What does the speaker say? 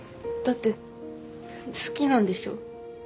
って好きなんでしょ？